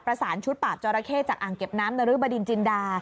ประสานชุดปราบจอราเข้จากอ่างเก็บน้ำนรึบดินจินดา